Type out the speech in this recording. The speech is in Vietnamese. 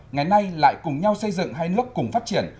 ngày nay lại cùng nhau xây dựng hai nước cùng phát triển